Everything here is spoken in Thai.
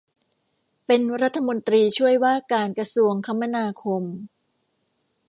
เป็นรัฐมนตรีช่วยว่าการกระทรวงคมนาคม